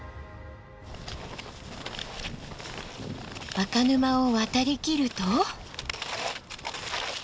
銅沼を渡りきると。